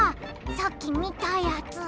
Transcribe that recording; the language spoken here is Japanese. さっきみたやつ。